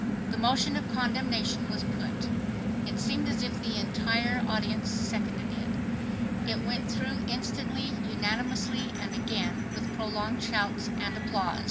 The motion of condemnation was put. It seemed as if the entire audience seconded it. It went through instantly, unanimously, and again with prolonged shouts and applause.